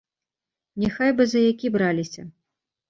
Няхай бы за які браліся.